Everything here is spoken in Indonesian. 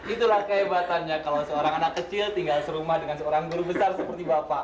itulah kehebatannya kalau seorang anak kecil tinggal serumah dengan seorang guru besar seperti bapak